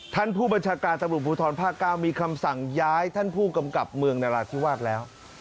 ท่านผู้บัญชาการตำรวจภูทรภาค๙มีคำสั่งย้ายท่านผู้กำกับเมืองนราธิวาสแล้ว